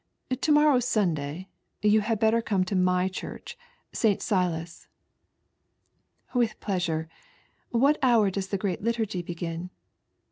To morrow's Sunday : yoii had better come to my chorch, St. Silas." "With pleasure. What hour does the great Liturgy begin